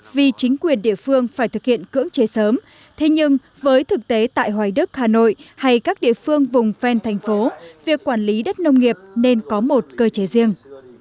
vì chính quyền địa phương phải thực hiện cưỡng chế sớm thế nhưng với thực tế tại hoài đức hà nội hay các địa phương vùng phen thành phố việc quản lý đất nông nghiệp nên có một cơ chế riêng